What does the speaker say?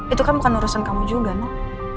itu kan bukan urusan kamu juga nak